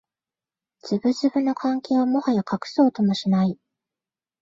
ズブズブの関係をもはや隠そうともしない